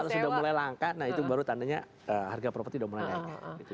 kalau sudah mulai langka nah itu baru tandanya harga properti sudah mulai naik